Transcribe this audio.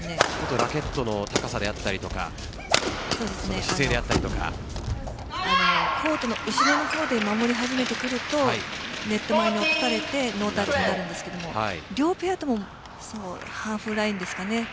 ラケットの高さであったりとか姿勢であったりとかコートの後ろを守り始めてくるとネット前に落とされてノータッチになるんですが両ペアともハーフラインですかね。